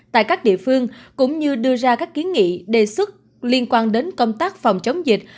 tại các địa phương cũng như đưa ra các kiến nghị đề xuất liên quan đến công tác phòng chống dịch